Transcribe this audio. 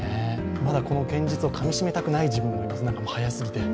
まだこの現実をかみしめたくない自分がいます。